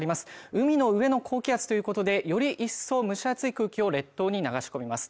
海の上の高気圧ということでより一層蒸し暑い空気を列島に流し込みます